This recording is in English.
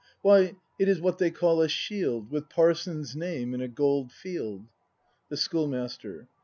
Why, it is what they call a shield With Parson's name in a gold field. The Schoolmaster.